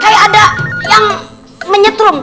kayak ada yang menyetrum